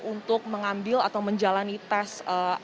untuk mengambil atau menjalani tes